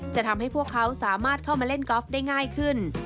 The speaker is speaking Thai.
จะทำให้พวกเขาสามารถเข้ามาเล่นกอล์ฟได้ง่ายขึ้น